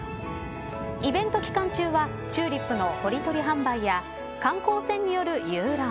イベント期間中はチューリップの掘り取り販売や観光船による遊覧